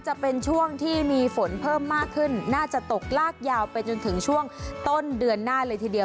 จะเป็นช่วงที่มีฝนเพิ่มมากขึ้นน่าจะตกลากยาวไปจนถึงช่วงต้นเดือนหน้าเลยทีเดียว